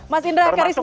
mas indra karismi aji